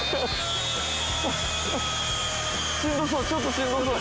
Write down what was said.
しんどそう。